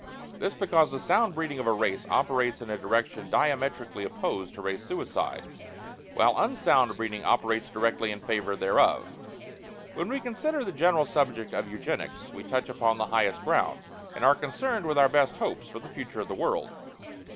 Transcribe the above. This because the sound breeding of the race operates in a direction diametrically opposed to Race Suicide, while unsound breeding operates directly in favor thereof. When we consider the general subject of Eugenics we touch upon the highest ground, and are concerned with our best hopes for the future of the world.